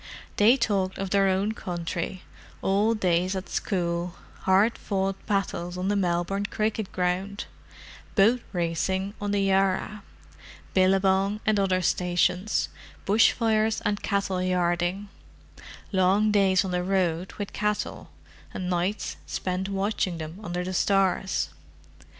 They talked of their own country—old days at school; hard fought battles on the Melbourne Cricket Ground; boat racing on the Yarra; Billabong and other stations; bush fires and cattle yarding; long days on the road with cattle, and nights spent watching them under the stars.